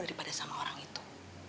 daripada sama orang itu